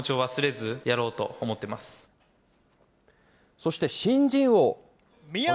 そして新人王。